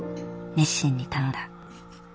熱心に頼んだ。